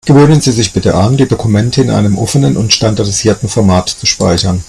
Gewöhnen Sie sich bitte an, die Dokumente in einem offenen und standardisierten Format zu speichern.